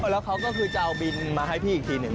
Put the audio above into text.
แล้วเขาก็คือจะเอาบินมาให้พี่อีกทีหนึ่ง